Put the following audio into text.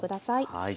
はい。